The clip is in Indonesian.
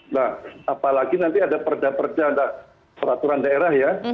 nah apalagi nanti ada perda perda ada peraturan daerah ya